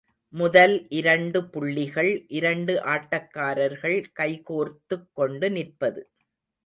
முதல் இரண்டு புள்ளிகள் இரண்டு ஆட்டக்காரர்கள் கைகோர்த்துக் கொண்டு நிற்பது.